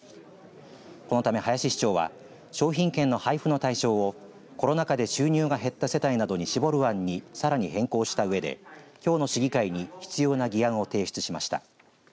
このため林市長は商品券の配布の対象をコロナ禍で収入が減った世帯などに絞る案に、さらに変更したうえできょうの市議会に必要な議案を提出しました。